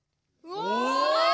お！